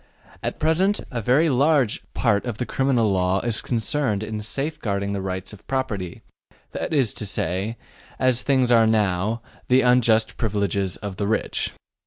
At present a very large part of the criminal law is concerned in safeguarding the rights of property, that is to say as things are now the unjust privileges of the rich.